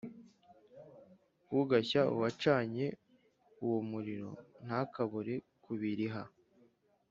Ugashya uwacanye uwo muriro ntakabure kubiriha